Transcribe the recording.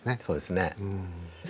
そうですね。